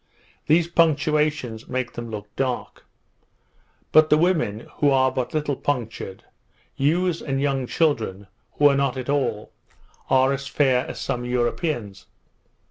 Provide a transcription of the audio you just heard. These puncturations make them look dark: But the women, who are but little punctured, youths and young children, who are not at all, are as fair as some Europeans.